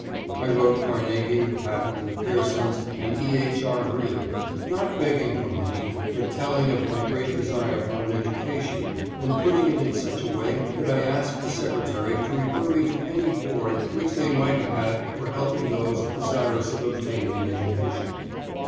I wrote Carnegie, Patten, Pearsons and E. H. R. Green, not begging for money, but telling of my great desire for an education and putting it in such a way that I asked the secretary to refer me to any board which they might have had for helping those desirous of obtaining an education.